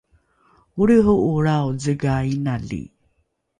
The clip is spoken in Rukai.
olriho’olrao zega inali